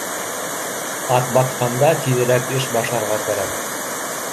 Атбатҡанда тиҙерәк эш башларға кәрәк